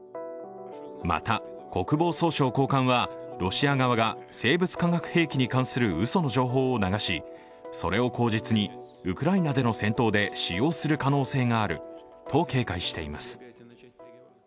また、国防総省高官はロシア側が生物化学兵器に関するうその情報を流し、それを口実にウクライナでの戦闘で使用する可能性があると警戒しています。